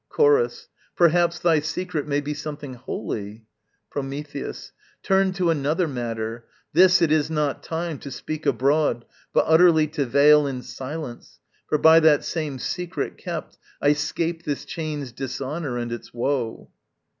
Chorus. Perhaps Thy secret may be something holy? Prometheus. Turn To another matter: this, it is not time To speak abroad, but utterly to veil In silence. For by that same secret kept, I 'scape this chain's dishonour and its woe.